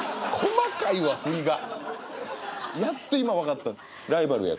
やっと今分かった。